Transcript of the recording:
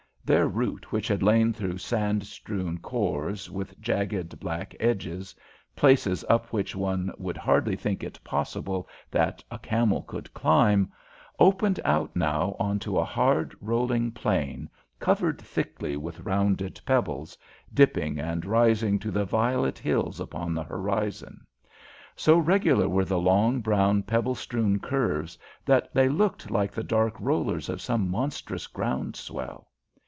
Their route, which had lain through sand strewn khors with jagged, black edges, places up which one would hardly think it possible that a camel could climb, opened out now on to a hard, rolling plain, covered thickly with rounded pebbles, dipping and rising to the violet hills upon the horizon. So regular were the long, brown pebble strewn curves, that they looked like the dark rollers of some monstrous ground swell.